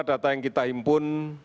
data yang kita impun